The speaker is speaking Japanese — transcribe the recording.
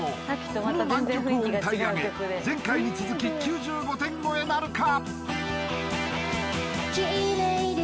この難曲を歌い上げ前回に続き９５点超えなるか？